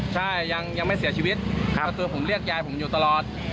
ใช่ยังไม่เสียชีวิตก็คือผมเรียกยายผมอยู่ตลอด